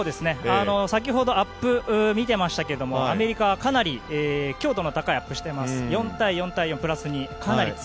先ほど、アップを見てましたけれどもアメリカはかなり強度の高いアップをしています。